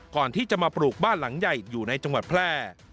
ก่อนที่จะมาปลูกบ้านหลังใหญ่อยู่ในจังหวัดแพร่